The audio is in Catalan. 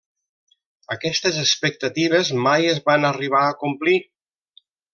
Aquestes expectatives mai es van arribar a complir.